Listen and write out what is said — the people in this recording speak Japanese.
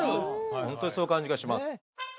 ホントにそういう感じがします